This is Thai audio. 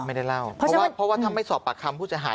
ไม่ได้เล่าเพราะว่าถ้าไม่สอบปากคำผู้จะหาย